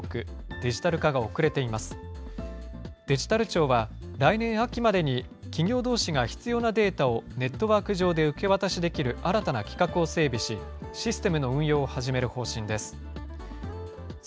デジタル庁は、来年秋までに企業どうしが必要なデータをネットワーク上で受け渡しできる新たな規格を整備し、システムの運用を始める方針です。